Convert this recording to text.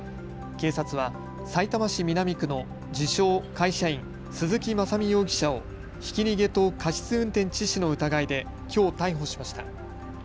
警察はさいたま市南区の自称、会社員、鈴木雅美容疑者をひき逃げと過失運転致死の疑いできょう逮捕しました。